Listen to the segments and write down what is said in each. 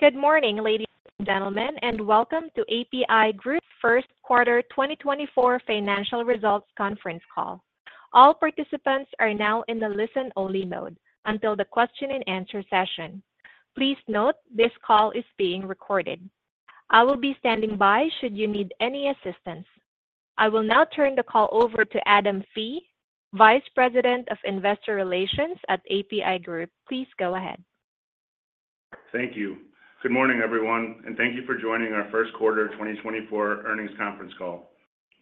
Good morning, ladies and gentlemen, and welcome to APi Group's first quarter 2024 financial results conference call. All participants are now in the listen-only mode until the question and answer session. Please note, this call is being recorded. I will be standing by should you need any assistance. I will now turn the call over to Adam Fee, Vice President of Investor Relations at APi Group. Please go ahead. Thank you. Good morning, everyone, and thank you for joining our first quarter 2024 earnings conference call.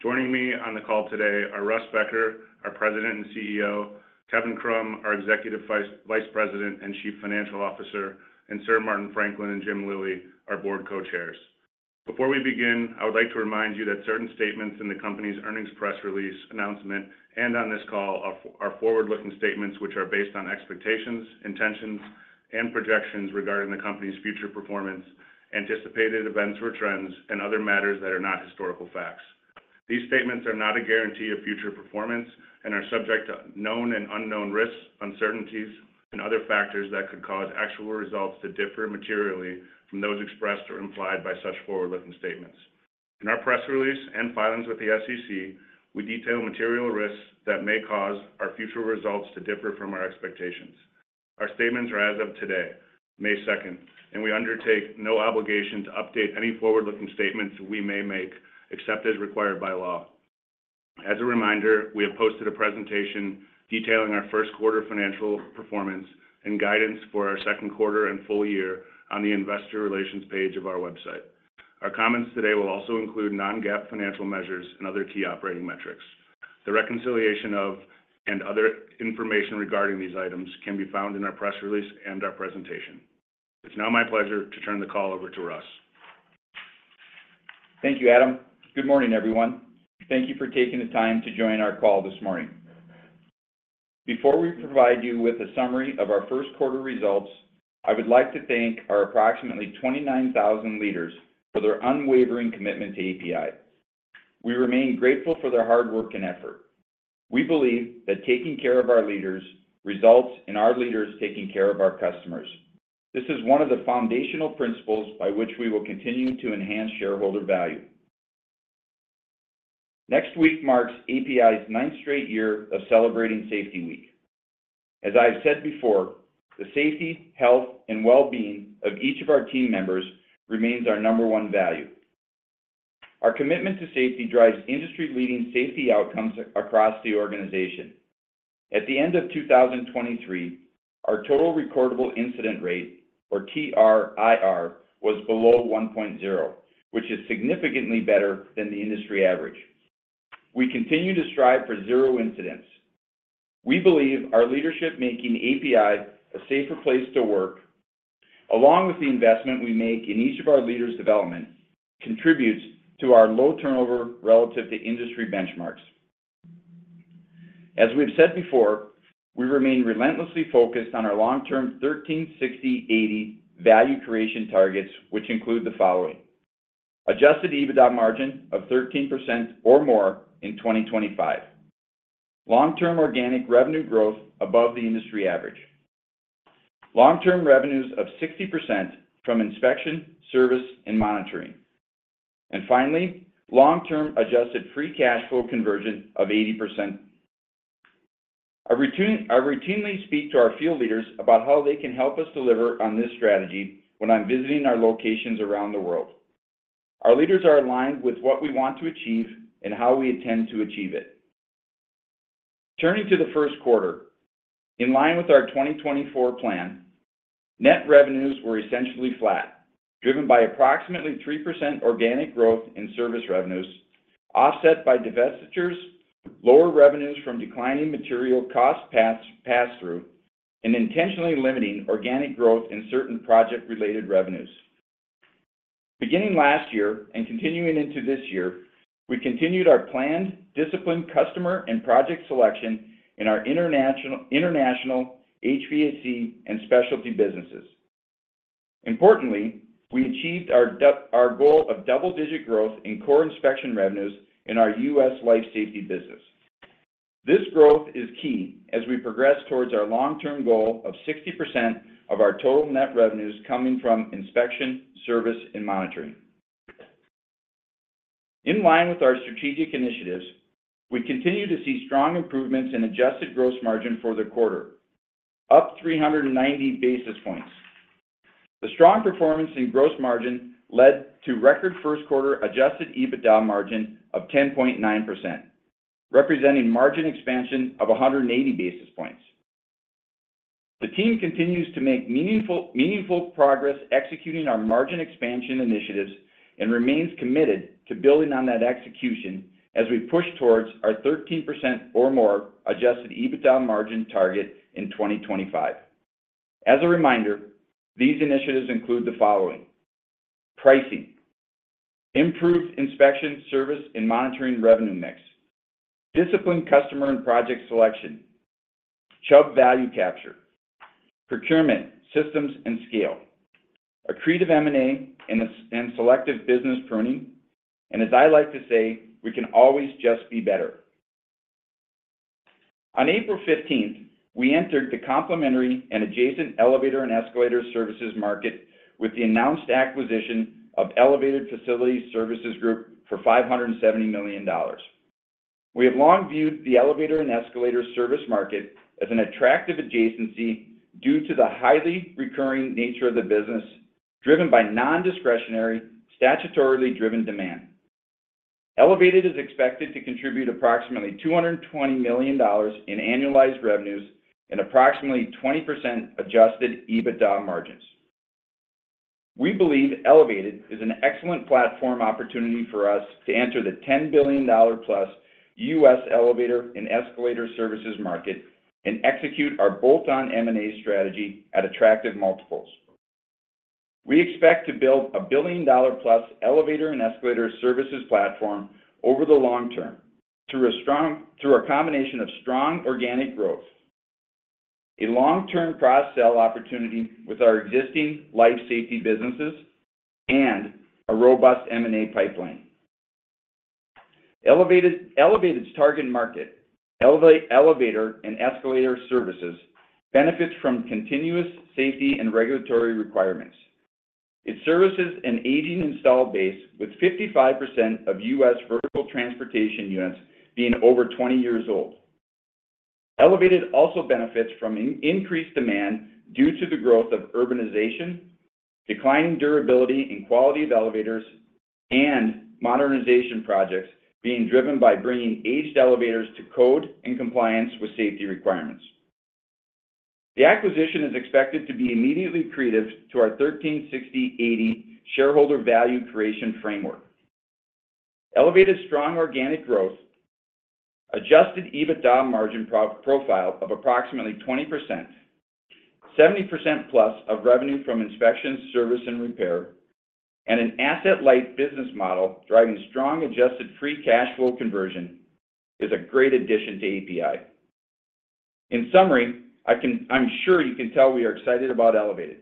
Joining me on the call today are Russ Becker, our President and CEO, Kevin Krumm, our Executive Vice President and Chief Financial Officer, and Sir Martin Franklin and Jim Lillie, our board co-chairs. Before we begin, I would like to remind you that certain statements in the company's earnings press release announcement and on this call are forward-looking statements, which are based on expectations, intentions, and projections regarding the company's future performance, anticipated events or trends, and other matters that are not historical facts. These statements are not a guarantee of future performance and are subject to known and unknown risks, uncertainties, and other factors that could cause actual results to differ materially from those expressed or implied by such forward-looking statements. In our press release and filings with the SEC, we detail material risks that may cause our future results to differ from our expectations. Our statements are as of today, May second, and we undertake no obligation to update any forward-looking statements we may make, except as required by law. As a reminder, we have posted a presentation detailing our first quarter financial performance and guidance for our second quarter and full year on the investor relations page of our website. Our comments today will also include non-GAAP financial measures and other key operating metrics. The reconciliation of and other information regarding these items can be found in our press release and our presentation. It's now my pleasure to turn the call over to Russ. Thank you, Adam. Good morning, everyone. Thank you for taking the time to join our call this morning. Before we provide you with a summary of our first quarter results, I would like to thank our approximately 29,000 leaders for their unwavering commitment to APi. We remain grateful for their hard work and effort. We believe that taking care of our leaders results in our leaders taking care of our customers. This is one of the foundational principles by which we will continue to enhance shareholder value. Next week marks APi's ninth straight year of celebrating Safety Week. As I have said before, the safety, health, and well-being of each of our team members remains our number one value. Our commitment to safety drives industry-leading safety outcomes across the organization. At the end of 2023, our total recordable incident rate, or TRIR, was below 1.0, which is significantly better than the industry average. We continue to strive for zero incidents. We believe our leadership making APi a safer place to work, along with the investment we make in each of our leaders' development, contributes to our low turnover relative to industry benchmarks. As we've said before, we remain relentlessly focused on our long-term 13/60/80 value creation targets, which include the following: adjusted EBITDA margin of 13% or more in 2025, long-term organic revenue growth above the industry average, long-term revenues of 60% from inspection, service, and monitoring, and finally, long-term adjusted free cash flow conversion of 80%. I routinely speak to our field leaders about how they can help us deliver on this strategy when I'm visiting our locations around the world. Our leaders are aligned with what we want to achieve and how we intend to achieve it. Turning to the first quarter, in line with our 2024 plan, net revenues were essentially flat, driven by approximately 3% organic growth in service revenues, offset by divestitures, lower revenues from declining material cost pass-through, and intentionally limiting organic growth in certain project-related revenues. Beginning last year and continuing into this year, we continued our planned disciplined customer and project selection in our international HVAC and specialty businesses. Importantly, we achieved our goal of double-digit growth in core inspection revenues in our U.S. Life Safety business. This growth is key as we progress towards our long-term goal of 60% of our total net revenues coming from inspection, service, and monitoring. In line with our strategic initiatives, we continue to see strong improvements in adjusted gross margin for the quarter, up 390 basis points. The strong performance in gross margin led to record first quarter adjusted EBITDA margin of 10.9%, representing margin expansion of 180 basis points. The team continues to make meaningful, meaningful progress executing our margin expansion initiatives and remains committed to building on that execution as we push towards our 13% or more adjusted EBITDA margin target in 2025. As a reminder, these initiatives include the following: pricing, improved inspection, service, and monitoring revenue mix, disciplined customer and project selection, Chubb value capture, procurement, systems, and scale, accretive M&A, and selective business pruning. And as I like to say, we can always just be better. On April fifteenth, we entered the complementary and adjacent elevator and escalator services market with the announced acquisition of Elevated Facility Services Group for $570 million. We have long viewed the elevator and escalator service market as an attractive adjacency due to the highly recurring nature of the business, driven by non-discretionary, statutorily driven demand. Elevated is expected to contribute approximately $220 million in annualized revenues and approximately 20% adjusted EBITDA margins. We believe Elevated is an excellent platform opportunity for us to enter the $10 billion+ U.S. elevator and escalator services market and execute our bolt-on M&A strategy at attractive multiples. We expect to build a $1 billion+ elevator and escalator services platform over the long term, through a combination of strong organic growth, a long-term cross-sell opportunity with our existing life safety businesses, and a robust M&A pipeline. Elevated's target market, elevator and escalator services, benefits from continuous safety and regulatory requirements. It services an aging installed base, with 55% of U.S. vertical transportation units being over 20 years old. Elevated also benefits from increased demand due to the growth of urbanization, declining durability and quality of elevators, and modernization projects being driven by bringing aged elevators to code and compliance with safety requirements. The acquisition is expected to be immediately accretive to our 13/60/80 shareholder value creation framework. Elevated strong organic growth, Adjusted EBITDA margin profile of approximately 20%, 70%+ of revenue from inspection, service, and repair, and an asset-light business model driving strong adjusted free cash flow conversion, is a great addition to APi. In summary, I'm sure you can tell we are excited about Elevated.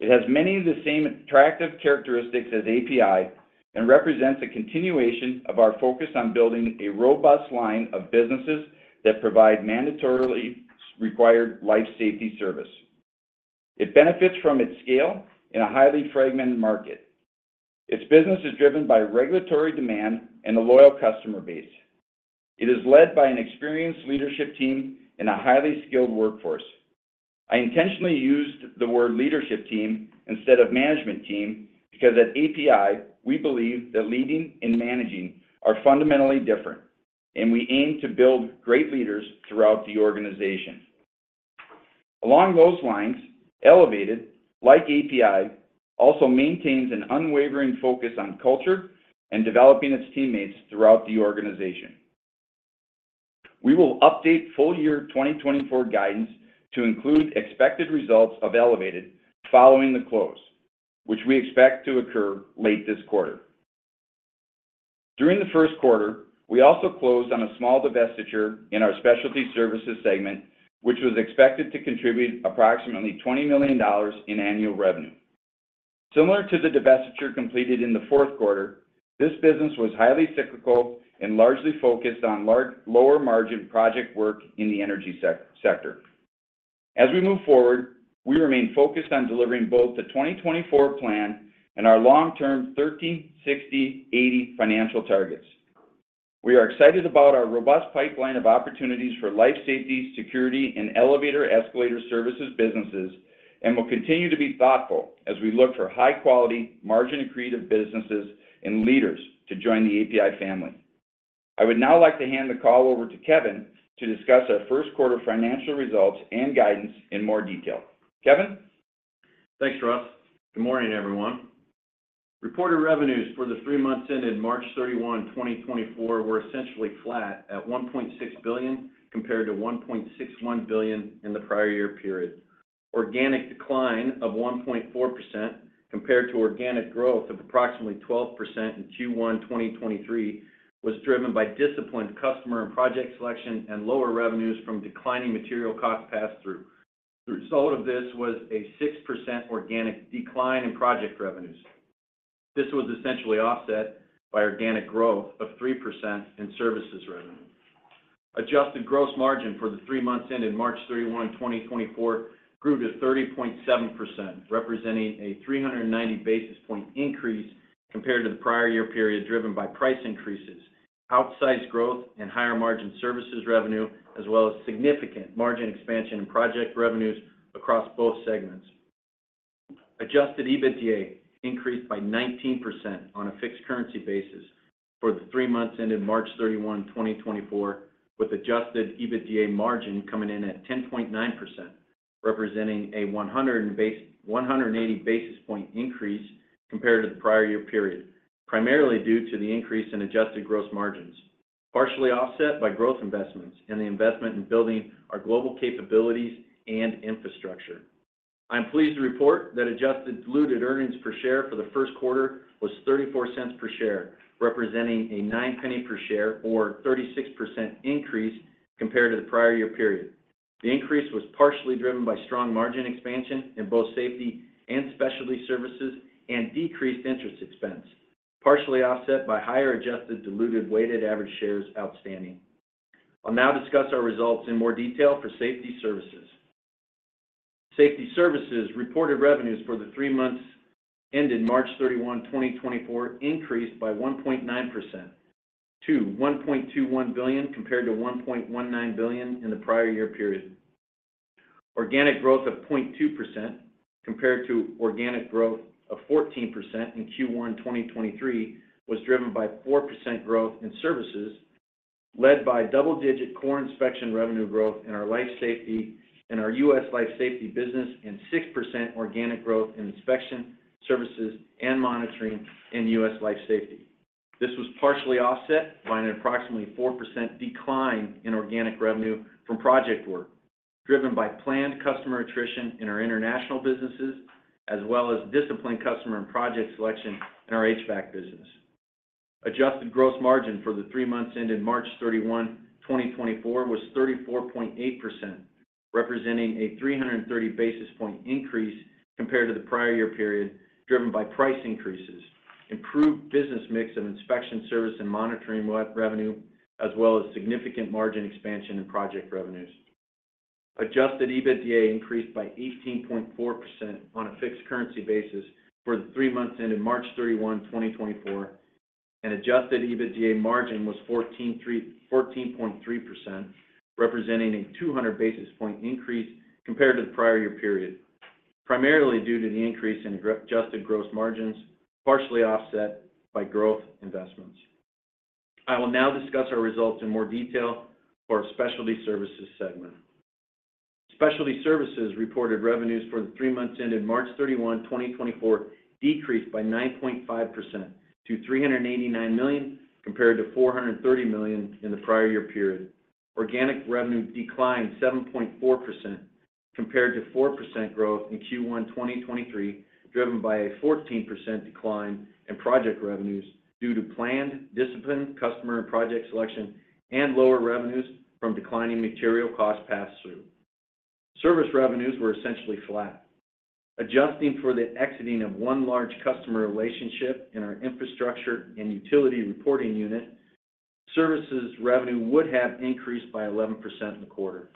It has many of the same attractive characteristics as APi and represents a continuation of our focus on building a robust line of businesses that provide mandatorily required life safety service. It benefits from its scale in a highly fragmented market. Its business is driven by regulatory demand and a loyal customer base. It is led by an experienced leadership team and a highly skilled workforce. I intentionally used the word leadership team instead of management team, because at APi, we believe that leading and managing are fundamentally different, and we aim to build great leaders throughout the organization. Along those lines, Elevated, like APi, also maintains an unwavering focus on culture and developing its teammates throughout the organization. We will update full year 2024 guidance to include expected results of Elevated following the close, which we expect to occur late this quarter. During the first quarter, we also closed on a small divestiture in our specialty services segment, which was expected to contribute approximately $20 million in annual revenue. Similar to the divestiture completed in the fourth quarter, this business was highly cyclical and largely focused on lower margin project work in the energy sector. As we move forward, we remain focused on delivering both the 2024 plan and our long-term 13, 60, 80 financial targets. We are excited about our robust pipeline of opportunities for life safety, security, and elevator, escalator services, businesses, and will continue to be thoughtful as we look for high-quality, margin-accretive businesses and leaders to join the APi family. I would now like to hand the call over to Kevin to discuss our first quarter financial results and guidance in more detail. Kevin? Thanks, Russ. Good morning, everyone. Reported revenues for the three months ended March 31, 2024, were essentially flat at $1.6 billion, compared to $1.61 billion in the prior year period. Organic decline of 1.4% compared to organic growth of approximately 12% in Q1 2023, was driven by disciplined customer and project selection, and lower revenues from declining material cost pass-through. The result of this was a 6% organic decline in project revenues. This was essentially offset by organic growth of 3% in services revenue. Adjusted gross margin for the three months ended March 31, 2024, grew to 30.7%, representing a 390 basis point increase compared to the prior year period, driven by price increases, outsized growth and higher margin services revenue, as well as significant margin expansion in project revenues across both segments. Adjusted EBITDA increased by 19% on a fixed currency basis for the three months ended March 31, 2024, with adjusted EBITDA margin coming in at 10.9%, representing a one hundred and eighty basis point increase compared to the prior year period, primarily due to the increase in adjusted gross margins, partially offset by growth investments and the investment in building our global capabilities and infrastructure. I'm pleased to report that adjusted diluted earnings per share for the first quarter was $0.34 per share, representing a 9 cents per share or 36% increase compared to the prior year period. The increase was partially driven by strong margin expansion in both safety and specialty services and decreased interest expense, partially offset by higher adjusted diluted weighted average shares outstanding. I'll now discuss our results in more detail for Safety Services. Safety Services reported revenues for the three months ended March 31, 2024, increased by 1.9% to $1.21 billion, compared to $1.19 billion in the prior year period. Organic growth of 0.2%, compared to organic growth of 14% in Q1 2023, was driven by 4% growth in services, led by double-digit core inspection revenue growth in our US Life Safety business, and 6% organic growth in inspection, services, and monitoring in US Life Safety. This was partially offset by an approximately 4% decline in organic revenue from project work, driven by planned customer attrition in our international businesses, as well as disciplined customer and project selection in our HVAC business. Adjusted gross margin for the three months ended March 31, 2024, was 34.8%, representing a 330 basis point increase compared to the prior year period, driven by price increases, improved business mix of inspection service and monitoring revenue, as well as significant margin expansion in project revenues. Adjusted EBITDA increased by 18.4% on a fixed currency basis for the three months ended March 31, 2024, and adjusted EBITDA margin was 14.3%, representing a 200 basis point increase compared to the prior year period, primarily due to the increase in adjusted gross margins, partially offset by growth investments. I will now discuss our results in more detail for our Specialty Services segment. Specialty Services reported revenues for the three months ended March 31, 2024, decreased by 9.5% to $389 million, compared to $430 million in the prior year period. Organic revenue declined 7.4%, compared to 4% growth in Q1 2023, driven by a 14% decline in project revenues due to planned disciplined customer and project selection, and lower revenues from declining material cost pass-through. Service revenues were essentially flat. Adjusting for the exiting of one large customer relationship in our infrastructure and utility reporting unit, services revenue would have increased by 11% in the quarter.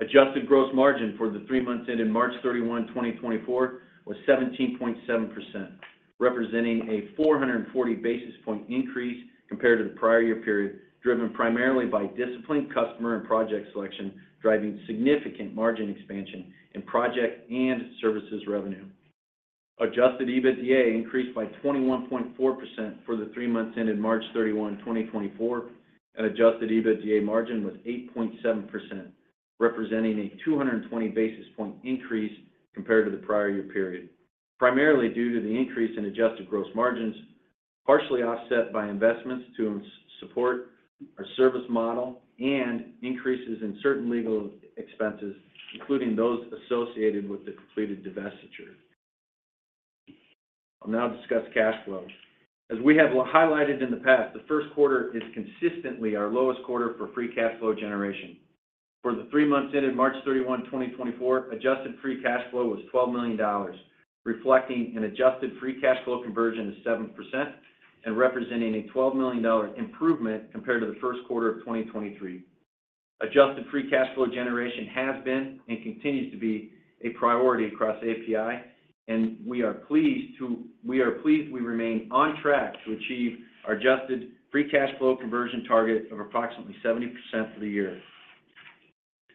Adjusted gross margin for the three months ended March 31, 2024, was 17.7%, representing a 440 basis point increase compared to the prior year period, driven primarily by disciplined customer and project selection, driving significant margin expansion in project and services revenue. Adjusted EBITDA increased by 21.4% for the three months ended March 31, 2024, and adjusted EBITDA margin was 8.7%, representing a 220 basis point increase compared to the prior year period, primarily due to the increase in adjusted gross margins, partially offset by investments to support our service model and increases in certain legal expenses, including those associated with the completed divestiture. I'll now discuss cash flows. As we have highlighted in the past, the first quarter is consistently our lowest quarter for free cash flow generation. For the three months ended March 31, 2024, adjusted free cash flow was $12 million, reflecting an adjusted free cash flow conversion of 7% and representing a $12 million improvement compared to the first quarter of 2023. Adjusted free cash flow generation has been and continues to be a priority across APi, and we are pleased we remain on track to achieve our adjusted free cash flow conversion target of approximately 70% for the year.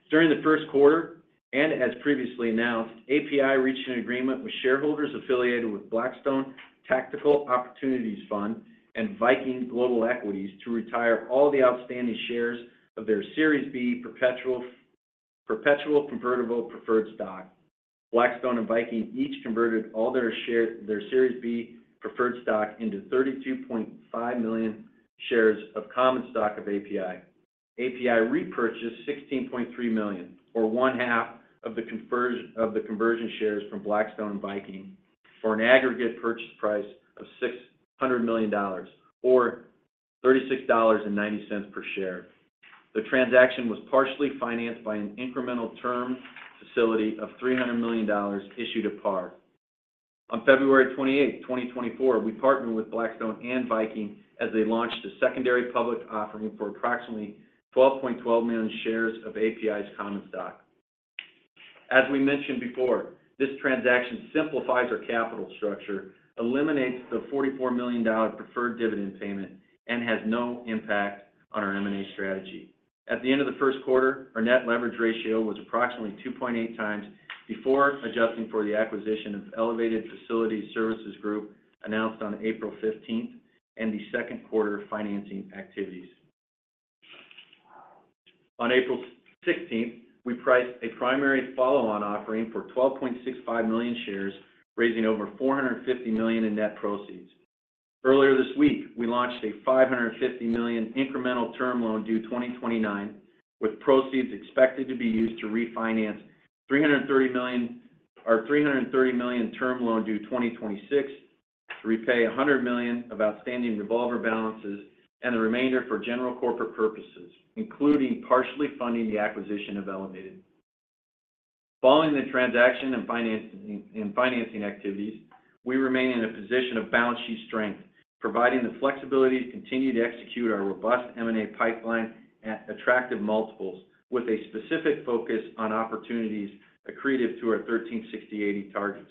During the first quarter, and as previously announced, APi reached an agreement with shareholders affiliated with Blackstone Tactical Opportunities Fund and Viking Global Equities to retire all the outstanding shares of their Series B perpetual convertible preferred stock. Blackstone and Viking each converted all their Series B preferred stock into 32.5 million shares of common stock of APi. APi repurchased 16.3 million, or 1/2 of the conversion shares from Blackstone and Viking, for an aggregate purchase price of $600 million, or $36.90 per share. The transaction was partially financed by an incremental term facility of $300 million issued at par. On February 28, 2024, we partnered with Blackstone and Viking as they launched a secondary public offering for approximately 12.12 million shares of APi's common stock. As we mentioned before, this transaction simplifies our capital structure, eliminates the $44 million preferred dividend payment, and has no impact on our M&A strategy. At the end of the first quarter, our net leverage ratio was approximately 2.8 times before adjusting for the acquisition of Elevated Facility Services Group, announced on April 15, and the second quarter financing activities. On April 16, we priced a primary follow-on offering for 12.65 million shares, raising over $450 million in net proceeds. Earlier this week, we launched a $550 million incremental term loan due 2029, with proceeds expected to be used to refinance $330 million—our $330 million term loan due 2026, to repay $100 million of outstanding revolver balances, and the remainder for general corporate purposes, including partially funding the acquisition of Elevated.... Following the transaction and financing, and financing activities, we remain in a position of balance sheet strength, providing the flexibility to continue to execute our robust M&A pipeline at attractive multiples, with a specific focus on opportunities accretive to our 13/60/80 targets.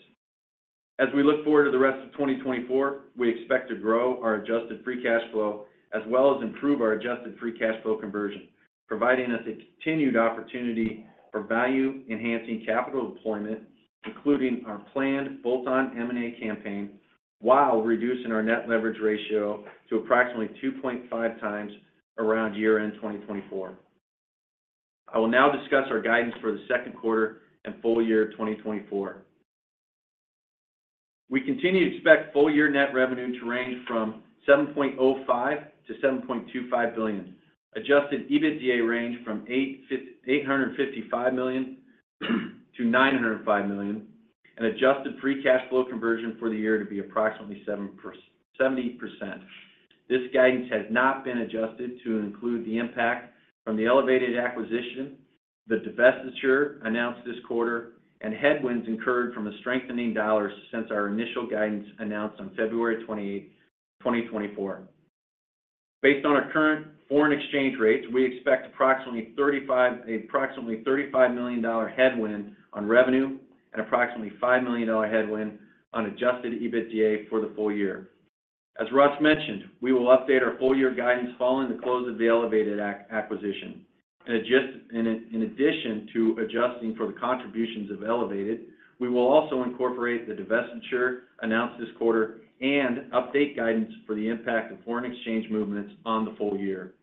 As we look forward to the rest of 2024, we expect to grow our adjusted free cash flow, as well as improve our adjusted free cash flow conversion, providing us a continued opportunity for value-enhancing capital deployment, including our planned bolt-on M&A campaign, while reducing our net leverage ratio to approximately 2.5 times around year-end 2024. I will now discuss our guidance for the second quarter and full year 2024. We continue to expect full year net revenue to range from $7.05-$7.25 billion, adjusted EBITDA range from $855-$905 million, and adjusted free cash flow conversion for the year to be approximately 70%. This guidance has not been adjusted to include the impact from the Elevated acquisition, the divestiture announced this quarter, and headwinds incurred from a strengthening dollar since our initial guidance announced on February 20, 2024. Based on our current foreign exchange rates, we expect approximately $35 million headwind on revenue and approximately $5 million headwind on adjusted EBITDA for the full year. As Russ mentioned, we will update our full year guidance following the close of the Elevated acquisition. In addition to adjusting for the contributions of Elevated, we will also incorporate the divestiture announced this quarter and update guidance for the impact of foreign exchange movements on the full year.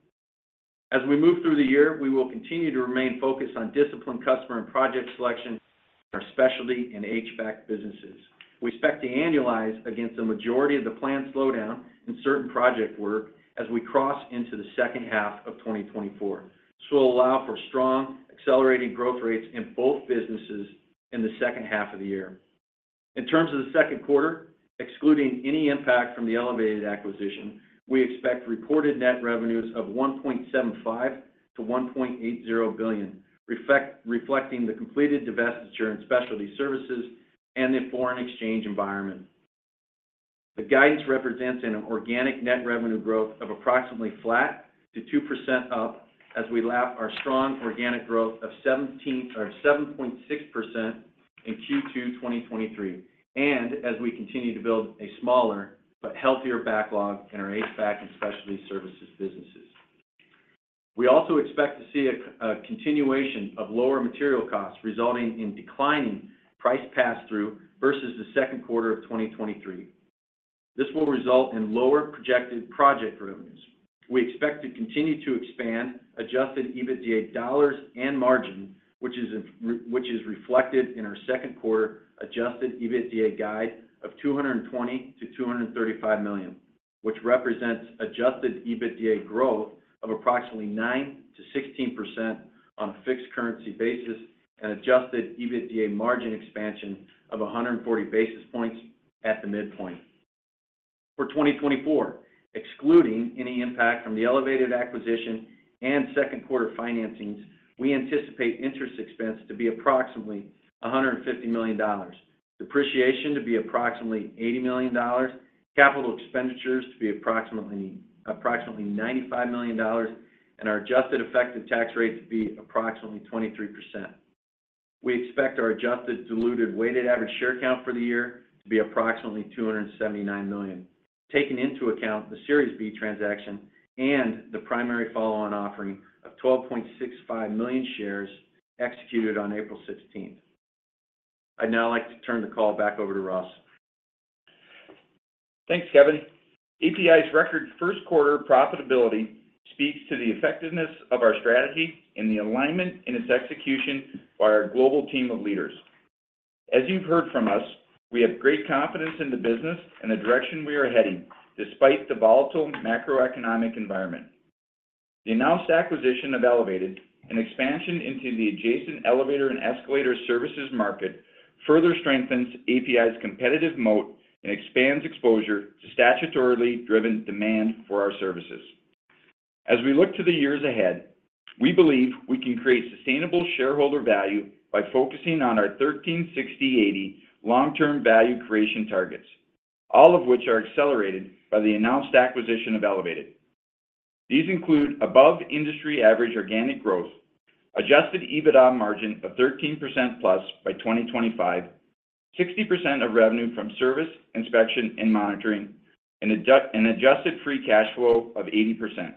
As we move through the year, we will continue to remain focused on disciplined customer and project selection in our specialty and HVAC businesses. We expect to annualize against the majority of the planned slowdown in certain project work as we cross into the second half of 2024. This will allow for strong, accelerating growth rates in both businesses in the second half of the year. In terms of the second quarter, excluding any impact from the Elevated acquisition, we expect reported net revenues of $1.75 billion-$1.80 billion, reflecting the completed divestiture in Specialty Services and the foreign exchange environment. The guidance represents an organic net revenue growth of approximately flat to 2% up as we lap our strong organic growth of 17%-- or 7.6% in Q2 2023, and as we continue to build a smaller but healthier backlog in our HVAC and Specialty Services businesses. We also expect to see a continuation of lower material costs, resulting in declining price pass-through versus the second quarter of 2023. This will result in lower projected project revenues. We expect to continue to expand Adjusted EBITDA dollars and margin, which is reflected in our second quarter Adjusted EBITDA guide of $220 million-$235 million, which represents Adjusted EBITDA growth of approximately 9%-16% on a fixed currency basis and Adjusted EBITDA margin expansion of 140 basis points at the midpoint. For 2024, excluding any impact from the Elevated acquisition and second quarter financings, we anticipate interest expense to be approximately $150 million, depreciation to be approximately $80 million, capital expenditures to be approximately $95 million, and our adjusted effective tax rate to be approximately 23%. We expect our adjusted diluted weighted average share count for the year to be approximately 279 million, taking into account the Series B transaction and the primary follow-on offering of 12.65 million shares executed on April sixteenth. I'd now like to turn the call back over to Russ. Thanks, Kevin. APi's record first quarter profitability speaks to the effectiveness of our strategy and the alignment in its execution by our global team of leaders. As you've heard from us, we have great confidence in the business and the direction we are heading, despite the volatile macroeconomic environment. The announced acquisition of Elevated, an expansion into the adjacent elevator and escalator services market, further strengthens APi's competitive moat and expands exposure to statutorily driven demand for our services. As we look to the years ahead, we believe we can create sustainable shareholder value by focusing on our 13, 60, 80 long-term value creation targets, all of which are accelerated by the announced acquisition of Elevated. These include above industry average organic growth, adjusted EBITDA margin of 13%+ by 2025, 60% of revenue from service, inspection, and monitoring, and adjusted free cash flow of 80%.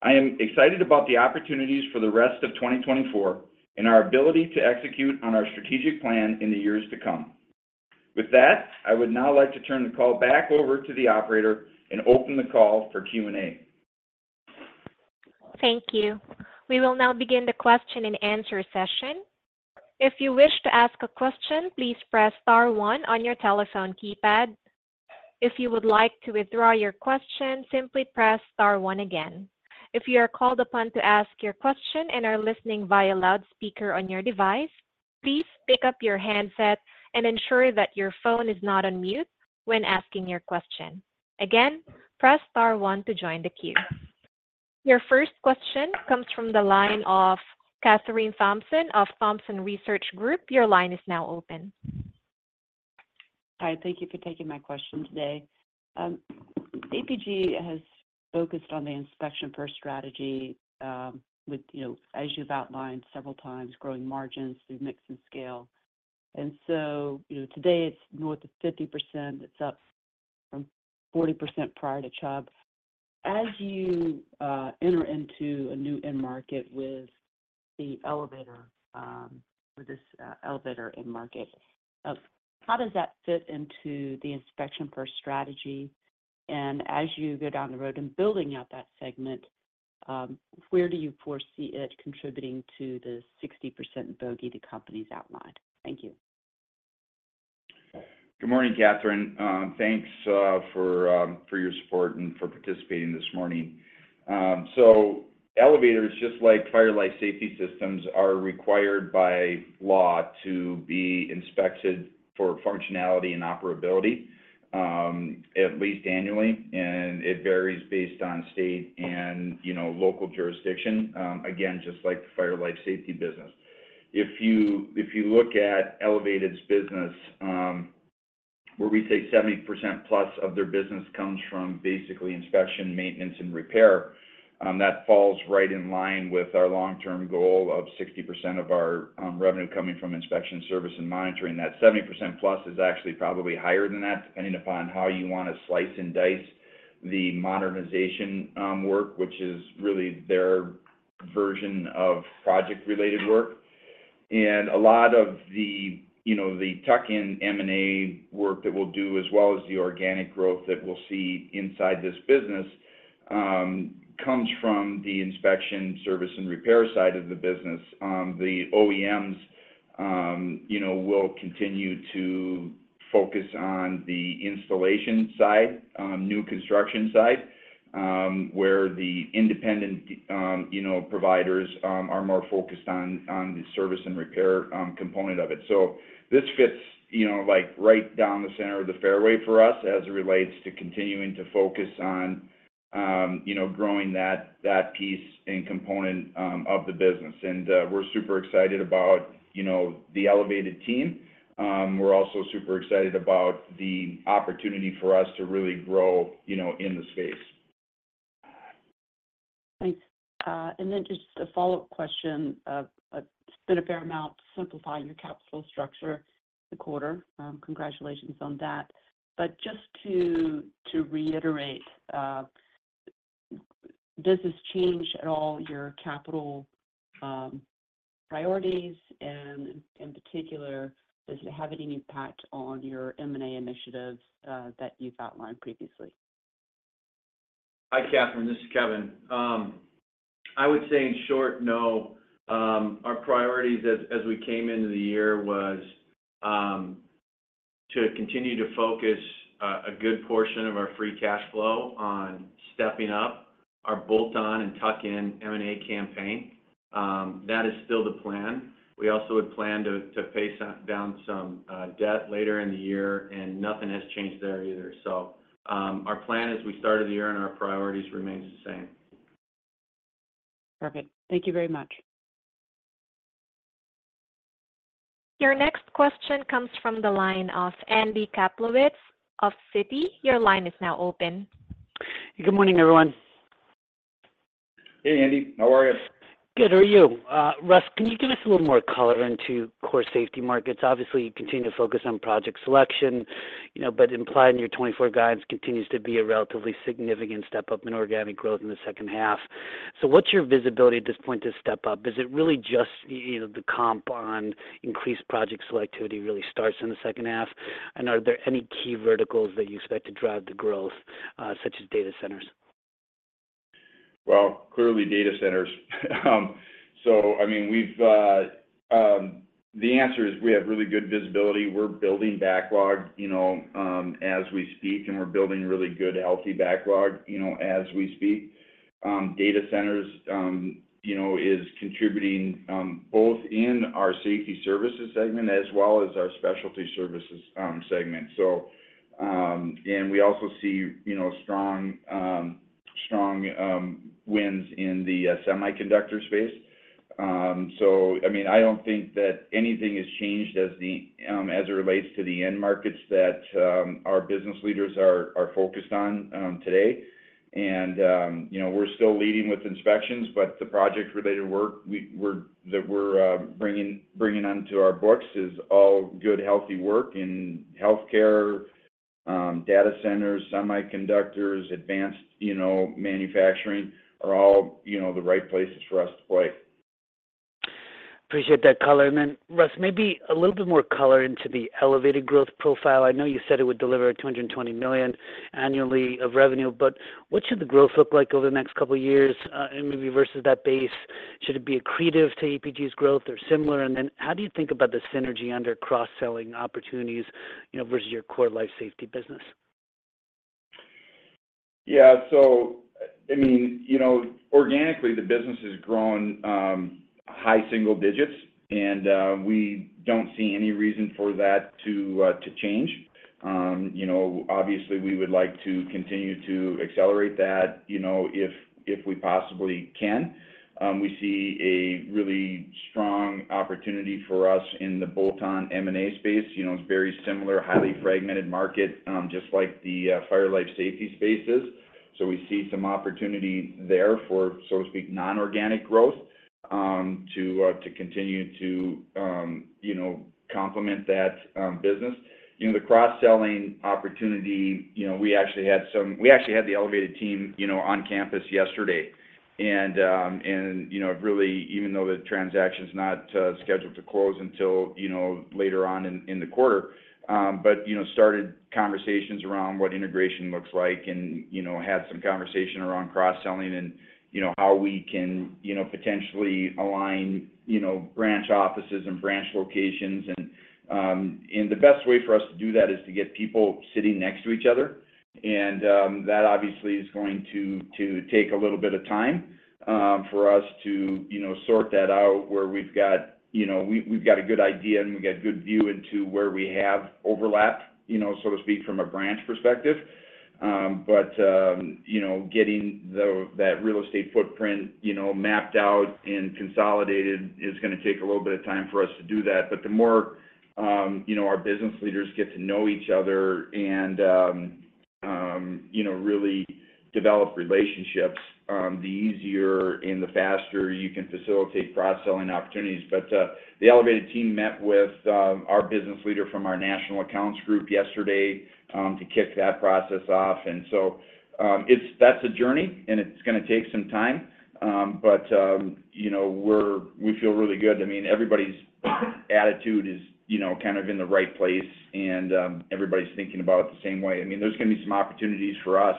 I am excited about the opportunities for the rest of 2024 and our ability to execute on our strategic plan in the years to come. With that, I would now like to turn the call back over to the operator and open the call for Q&A. Thank you. We will now begin the question-and-answer session. If you wish to ask a question, please press star one on your telephone keypad. If you would like to withdraw your question, simply press star one again. If you are called upon to ask your question and are listening via loudspeaker on your device, please pick up your handset and ensure that your phone is not on mute when asking your question. Again, press star one to join the queue.... Your first question comes from the line of Catherine Thompson of Thompson Research Group. Your line is now open. Hi, thank you for taking my question today. APG has focused on the inspection-first strategy, with, you know, as you've outlined several times, growing margins through mix and scale. And so, you know, today, it's north of 50%. It's up from 40% prior to Chubb. As you enter into a new end market with the elevator, or this elevator end market, of how does that fit into the inspection-first strategy? And as you go down the road in building out that segment, where do you foresee it contributing to the 60% bogey the company's outlined? Thank you. Good morning, Catherine. Thanks for your support and for participating this morning. So elevators, just like fire and life safety systems, are required by law to be inspected for functionality and operability, at least annually, and it varies based on state and, you know, local jurisdiction, again, just like the fire and life safety business. If you look at Elevated's business, where we say 70%+ of their business comes from basically inspection, maintenance, and repair, that falls right in line with our long-term goal of 60% of our revenue coming from inspection, service, and monitoring. That 70%+ is actually probably higher than that, depending upon how you want to slice and dice the modernization, work, which is really their version of project-related work. A lot of the, you know, the tuck-in M&A work that we'll do, as well as the organic growth that we'll see inside this business, comes from the inspection, service, and repair side of the business. The OEMs, you know, will continue to focus on the installation side, new construction side, where the independent, you know, providers, are more focused on the service and repair, component of it. So this fits, you know, like, right down the center of the fairway for us as it relates to continuing to focus on, you know, growing that, that piece and component, of the business. We're super excited about, you know, the Elevated team. We're also super excited about the opportunity for us to really grow, you know, in the space. Thanks. And then just a follow-up question. Spent a fair amount to simplify your capital structure this quarter. Congratulations on that. But just to reiterate, does this change at all your capital priorities? And in particular, does it have any impact on your M&A initiatives that you've outlined previously? Hi, Catherine, this is Kevin. I would say in short, no. Our priorities as we came into the year was to continue to focus a good portion of our free cash flow on stepping up our bolt-on and tuck-in M&A campaign. That is still the plan. We also had planned to pay down some debt later in the year, and nothing has changed there either. So, our plan as we started the year and our priorities remains the same. Perfect. Thank you very much. Your next question comes from the line of Andy Kaplowitz of Citi. Your line is now open. Good morning, everyone. Hey, Andy. How are you? Good, how are you? Russ, can you give us a little more color into core safety markets? Obviously, you continue to focus on project selection, you know, but implying your 2024 guidance continues to be a relatively significant step up in organic growth in the second half. So what's your visibility at this point to step up? Is it really just, you know, the comp on increased project selectivity really starts in the second half? And are there any key verticals that you expect to drive the growth, such as data centers? Well, clearly data centers. So I mean, the answer is we have really good visibility. We're building backlog, you know, as we speak, and we're building really good, healthy backlog, you know, as we speak. Data centers, you know, is contributing both in our safety services segment as well as our specialty services segment. So, and we also see, you know, strong, strong, wins in the semiconductor space. So, I mean, I don't think that anything has changed as it relates to the end markets that our business leaders are focused on today. You know, we're still leading with inspections, but the project-related work that we're bringing onto our books is all good, healthy work in healthcare, data centers, semiconductors, advanced, you know, manufacturing are all, you know, the right places for us to play. Appreciate that color. And then, Russ, maybe a little bit more color into the Elevated growth profile. I know you said it would deliver $220 million annually of revenue, but what should the growth look like over the next couple of years, and maybe versus that base? Should it be accretive to EPG's growth or similar? And then how do you think about the synergy under cross-selling opportunities, you know, versus your core life safety business? Yeah. So, I mean, you know, organically, the business has grown high single digits, and we don't see any reason for that to change. You know, obviously, we would like to continue to accelerate that, you know, if we possibly can. We see a really strong opportunity for us in the bolt-on M&A space. You know, it's very similar, highly fragmented market, just like the fire and life safety space is. So we see some opportunity there for, so to speak, non-organic growth, to continue to, you know, complement that business. You know, the cross-selling opportunity, you know, we actually had the Elevated team, you know, on campus yesterday. And you know, really, even though the transaction's not scheduled to close until you know, later on in the quarter, but you know, started conversations around what integration looks like and you know, had some conversation around cross-selling and you know, how we can you know, potentially align you know, branch offices and branch locations. And the best way for us to do that is to get people sitting next to each other, and that obviously is going to take a little bit of time for us to you know, sort that out where we've got... You know, we've got a good idea, and we've got good view into where we have overlap you know, so to speak, from a branch perspective. But, you know, getting that real estate footprint, you know, mapped out and consolidated is gonna take a little bit of time for us to do that. But the more, you know, our business leaders get to know each other and, you know, really develop relationships, the easier and the faster you can facilitate cross-selling opportunities. But the Elevated team met with our business leader from our national accounts group yesterday to kick that process off. And so that's a journey, and it's gonna take some time. But, you know, we feel really good. I mean, everybody's attitude is, you know, kind of in the right place, and everybody's thinking about it the same way. I mean, there's gonna be some opportunities for us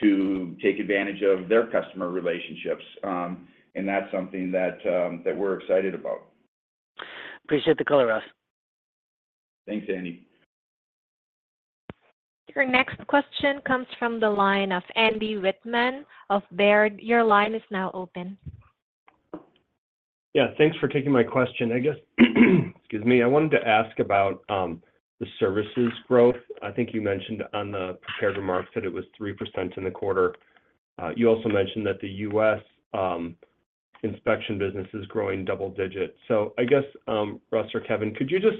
to take advantage of their customer relationships, and that's something that we're excited about. Appreciate the color, Russ. Thanks, Andy. Your next question comes from the line of Andy Wittman of Baird. Your line is now open. Yeah, thanks for taking my question. I guess, excuse me. I wanted to ask about the services growth. I think you mentioned on the prepared remarks that it was 3% in the quarter. You also mentioned that the U.S. inspection business is growing double digit. So I guess, Russ or Kevin, could you just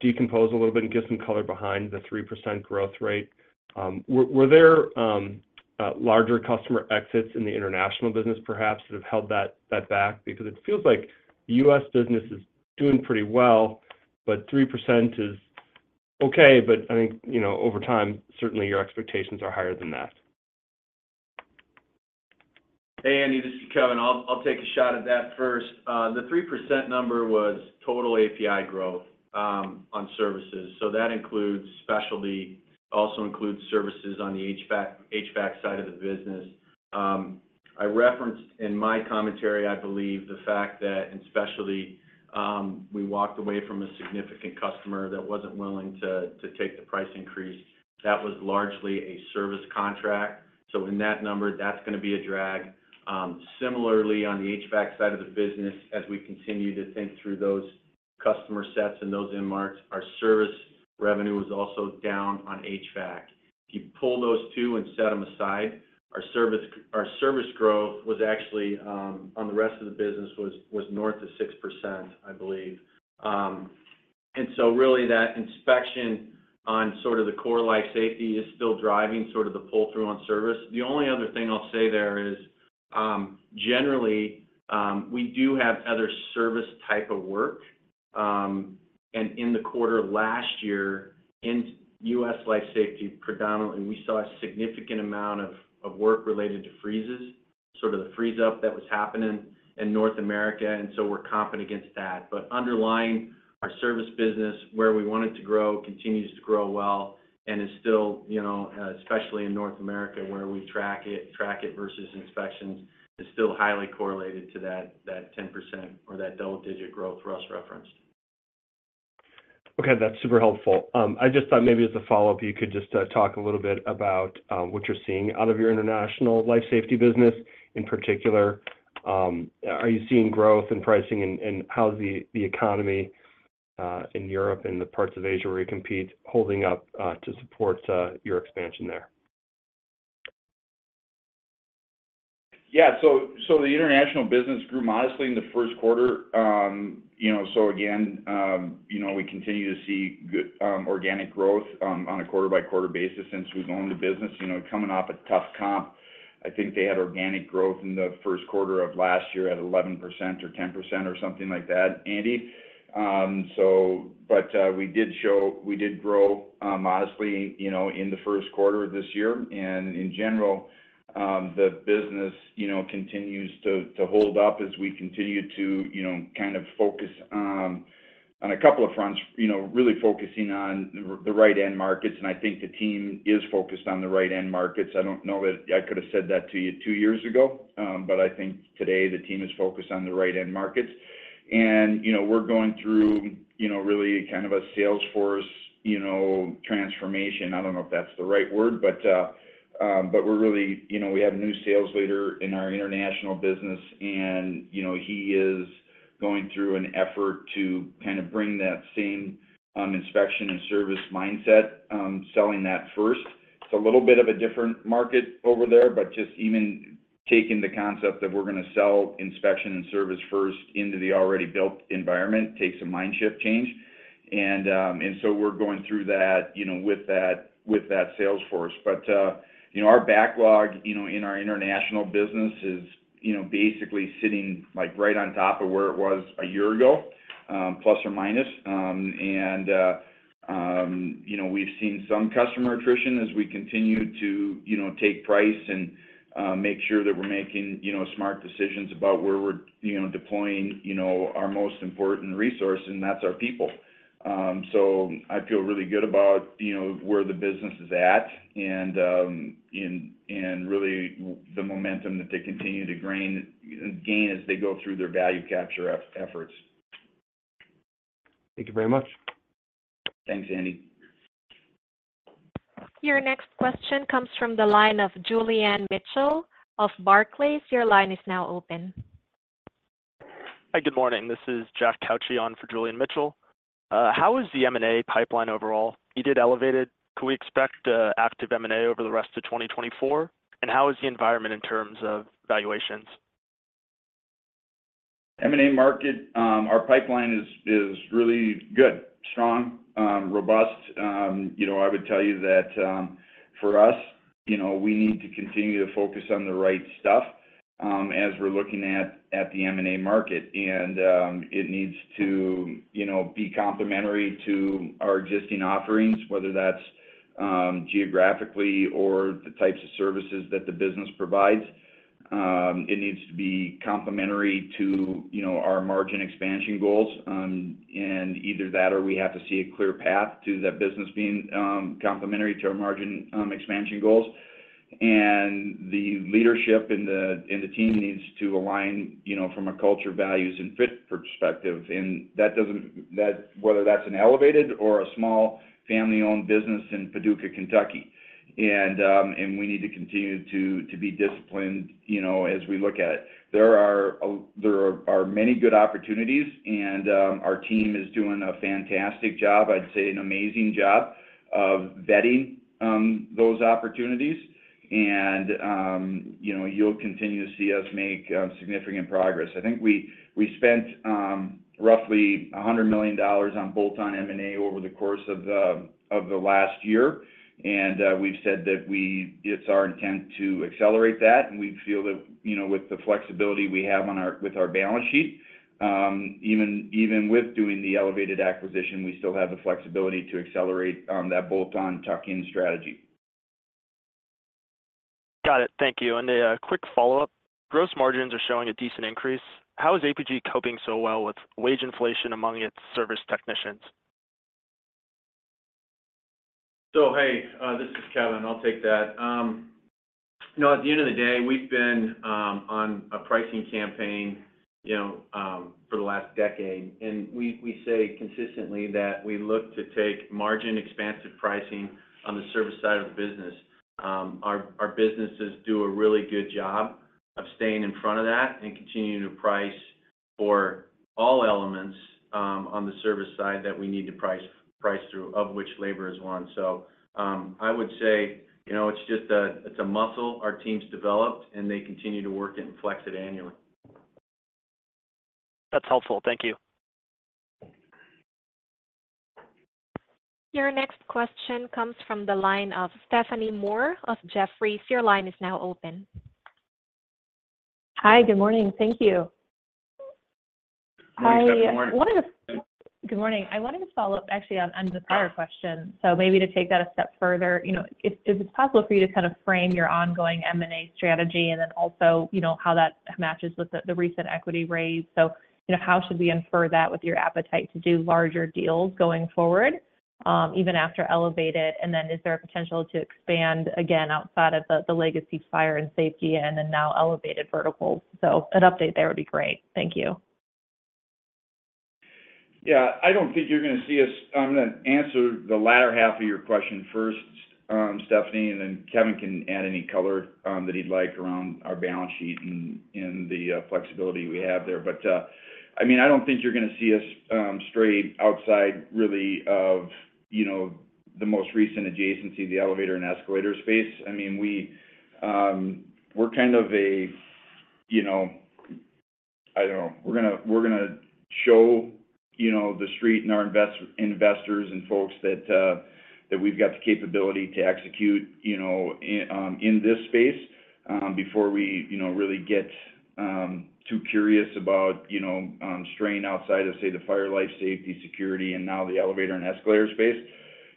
decompose a little bit and give some color behind the 3% growth rate? Were there larger customer exits in the international business, perhaps, that have held that back? Because it feels like the U.S. business is doing pretty well, but 3% is okay, but I think, you know, over time, certainly your expectations are higher than that. Hey, Andy, this is Kevin. I'll, I'll take a shot at that first. The 3% number was total APi growth, on services, so that includes specialty, also includes services on the HVAC, HVAC side of the business. I referenced in my commentary, I believe, the fact that in specialty, we walked away from a significant customer that wasn't willing to, to take the price increase. That was largely a service contract, so in that number, that's gonna be a drag. Similarly, on the HVAC side of the business, as we continue to think through those customer sets and those in marks, our service revenue was also down on HVAC. If you pull those two and set them aside, our service, our service growth was actually, on the rest of the business, was, was north of 6%, I believe. And so really, that inspection on sort of the core life safety is still driving sort of the pull-through on service. The only other thing I'll say there is, generally, we do have other service type of work, and in the quarter last year, in U.S. Life Safety, predominantly, we saw a significant amount of work related to freezes, sort of the freeze up that was happening in North America, and so we're comping against that. But underlying our service business, where we want it to grow, continues to grow well and is still, you know, especially in North America, where we track it versus inspections, is still highly correlated to that 10% or that double-digit growth Russ referenced. Okay, that's super helpful. I just thought maybe as a follow-up, you could just talk a little bit about what you're seeing out of your international life safety business. In particular, are you seeing growth in pricing, and how's the economy in Europe and the parts of Asia where you compete holding up to support your expansion there? Yeah. So the international business grew modestly in the first quarter. You know, so again, you know, we continue to see good, organic growth, on a quarter-by-quarter basis since we've owned the business. You know, coming off a tough comp, I think they had organic growth in the first quarter of last year at 11% or 10% or something like that, Andy. So, but, we did grow, modestly, you know, in the first quarter of this year. And in general, the business, you know, continues to hold up as we continue to, you know, kind of focus on a couple of fronts, you know, really focusing on the right end markets, and I think the team is focused on the right end markets. I don't know that I could have said that to you two years ago, but I think today the team is focused on the right end markets... And, you know, we're going through, you know, really kind of a sales force, you know, transformation. I don't know if that's the right word, but, but we're really, you know, we have a new sales leader in our international business, and, you know, he is going through an effort to kind of bring that same, inspection and service mindset, selling that first. It's a little bit of a different market over there, but just even taking the concept that we're gonna sell inspection and service first into the already built environment takes a mind shift change. And, and so we're going through that, you know, with that, with that sales force. But, you know, our backlog, you know, in our international business is, you know, basically sitting, like, right on top of where it was a year ago, plus or minus. And, you know, we've seen some customer attrition as we continue to, you know, take price and, make sure that we're making, you know, smart decisions about where we're, you know, deploying, you know, our most important resource, and that's our people. So I feel really good about, you know, where the business is at and, and really the momentum that they continue to gain as they go through their value capture efforts. Thank you very much. Thanks, Andy. Your next question comes from the line of Julianne Mitchell of Barclays. Your line is now open. Hi, good morning. This is Jack Cauchi for Julianne Mitchell. How is the M&A pipeline overall? You did Elevated. Can we expect active M&A over the rest of 2024? And how is the environment in terms of valuations? M&A market, our pipeline is really good, strong, robust. You know, I would tell you that, for us, you know, we need to continue to focus on the right stuff, as we're looking at the M&A market. And it needs to, you know, be complementary to our existing offerings, whether that's, geographically or the types of services that the business provides. It needs to be complementary to, you know, our margin expansion goals. And either that, or we have to see a clear path to that business being, complementary to our margin, expansion goals. And the leadership and the team needs to align, you know, from a culture, values, and fit perspective. And that doesn't, that, whether that's an Elevated or a small family-owned business in Paducah, Kentucky. We need to continue to be disciplined, you know, as we look at it. There are many good opportunities, and our team is doing a fantastic job, I'd say an amazing job, of vetting those opportunities. And you know, you'll continue to see us make significant progress. I think we spent roughly $100 million on bolt-on M&A over the course of the last year, and we've said that it's our intent to accelerate that. And we feel that, you know, with the flexibility we have with our balance sheet, even with doing the Elevated acquisition, we still have the flexibility to accelerate that bolt-on tuck-in strategy. Got it. Thank you. And a quick follow-up: Gross margins are showing a decent increase. How is APG coping so well with wage inflation among its service technicians? So, hey, this is Kevin. I'll take that. You know, at the end of the day, we've been on a pricing campaign, you know, for the last decade, and we say consistently that we look to take margin-expansive pricing on the service side of the business. Our businesses do a really good job of staying in front of that and continuing to price for all elements on the service side that we need to price, price through, of which labor is one. So, I would say, you know, it's just a, it's a muscle our team's developed, and they continue to work it and flex it annually. That's helpful. Thank you. Your next question comes from the line of Stephanie Moore of Jefferies. Your line is now open. Hi, good morning. Thank you. Hi, Steph. Good morning. Good morning. I wanted to follow up actually on Jack's question. So maybe to take that a step further, you know, is it possible for you to kind of frame your ongoing M&A strategy and then also, you know, how that matches with the recent equity raise? So, you know, how should we infer that with your appetite to do larger deals going forward, even after Elevated? And then, is there a potential to expand again outside of the legacy fire and safety and the now Elevated verticals? So an update there would be great. Thank you. Yeah. I don't think you're gonna see us—I'm gonna answer the latter half of your question first, Stephanie, and then Kevin can add any color that he'd like around our balance sheet and, and the flexibility we have there. But, I mean, I don't think you're gonna see us stray outside really of, you know, the most recent adjacency, the elevator and escalator space. I mean, we, we're kind of a, you know... I don't know. We're gonna, we're gonna show, you know, the street and our investors and folks that that we've got the capability to execute, you know, in this space before we, you know, really get too curious about, you know, straying outside of, say, the fire, life safety, security, and now the elevator and escalator space.